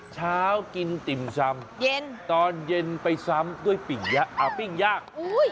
เช้ากินติ่มซำเย็นตอนเย็นไปซ้ำด้วยปิ้งย่าง